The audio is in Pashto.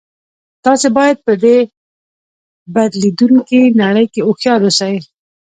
تاسې باید په دې بدلیدونکې نړۍ کې هوښیار اوسئ